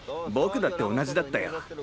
僕だって同じだったよ。